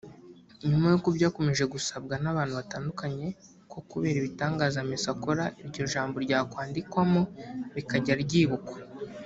nyuma y’uko byakomeje gusabwa n’abantu batandukanye ko kubera ibitangaza Messi akora iryo jambo ryakwandikwamo rikajya ryibukwa